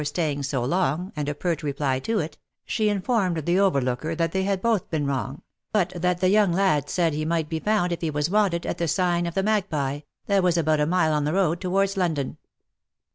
staying so long, and a pert reply to it, she informed the overlooker that they had both been wrong, but that the young lad said he might be found if he was wanted, at the sign of the Magpie, that was about a mile on the road towards London.